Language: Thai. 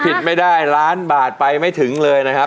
ผิดไม่ได้ล้านบาทไปไม่ถึงเลยนะครับ